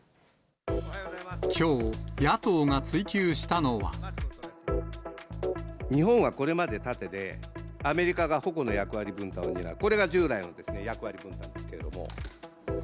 きょう、日本はこれまで盾で、アメリカが矛の役割分担を担う、これが従来の役割分担なんですけれども。